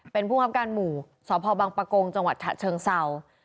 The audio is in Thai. เป็นผู้บังคับการหมู่สภบปกจรเชิงเซา